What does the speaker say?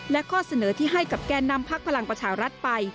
และข้อเสนอที่ให้กับแก่นำพักพลังประชารัฐไป